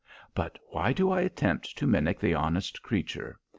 But why do I attempt to mimic the honest creature?